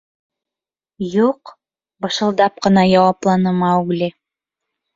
— Юҡ, — бышылдап ҡына яуапланы Маугли.